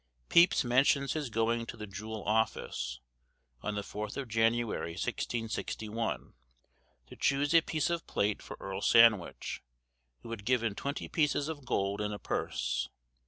Pepys mentions his going to the jewell office, on the 4th of January, 1661, to choose a piece of plate for Earl Sandwich, who had given twenty pieces of gold in a purse.